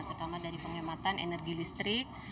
terutama dari penghematan energi listrik